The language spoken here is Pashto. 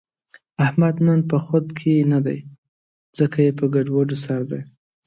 احمد نن په خود کې نه دی، ځکه یې په ګډوډو سر دی.